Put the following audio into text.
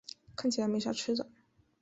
看起来没啥吃的